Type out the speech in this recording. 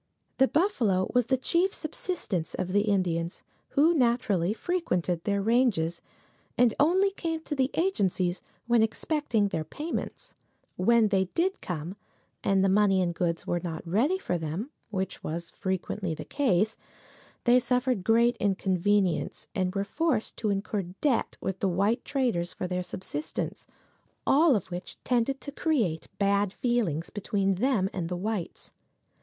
The buffalo was the chief subsistence of the Indians, who naturally frequented their ranges, and only came to the agencies when expecting their payments. When they did come, and the money and goods were not ready for them, which was frequently the case, they suffered great inconvenience, and were forced to incur debt with the white traders for their subsistence, all of which tended to create bad feelings between them and the whites.